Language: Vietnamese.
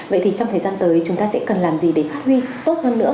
vậy thì trong thời gian tới chúng ta sẽ cần làm gì để phát huy tốt hơn nữa